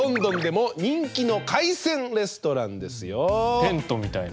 テントみたいな。